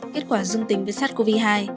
kết quả dương tính với sars cov hai